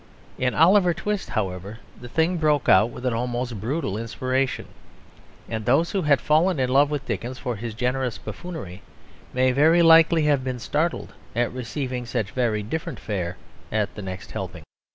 In Oliver Twist, however, the thing broke out with an almost brutal inspiration, and those who had fallen in love with Dickens for his generous buffoonery may very likely have been startled at receiving such very different fare at the next helping.